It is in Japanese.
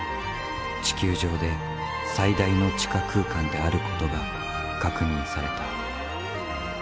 地球上で最大の地下空間であることが確認された。